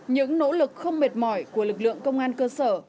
những nỗ lực không mệt mỏi của lực lượng công an cơ sở